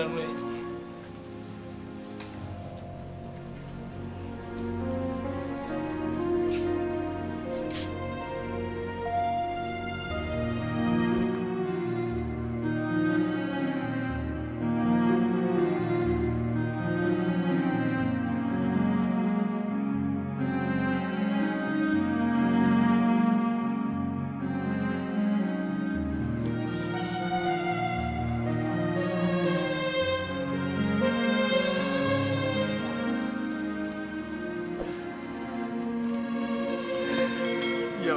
din keluar dulu ya